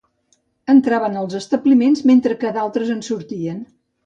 Entraven als establiments, mentre que d'altres en sortien